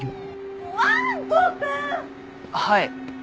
はい。